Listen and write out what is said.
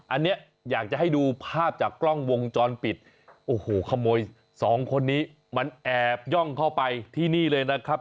อันนี้อยากจะให้ดูภาพจากกล้องวงจรปิดโอ้โหขโมยสองคนนี้มันแอบย่องเข้าไปที่นี่เลยนะครับ